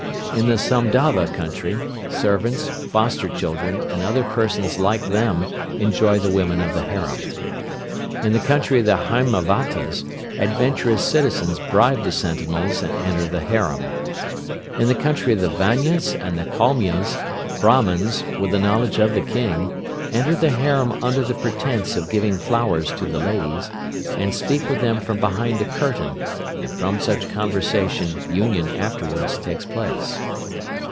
In the Samdhava country, servants, foster children, and other persons like them enjoy the women of the harem. In the country of the Haimavatas adventurous citizens bribe the sentinels and enter the harem. In the country of the Vanyas and the Kalmyas, Brahmans, with the knowledge of the King, enter the harem under the pretence of giving flowers to the ladies, and speak with them from behind a curtain, and from such conversation union afterwards takes place.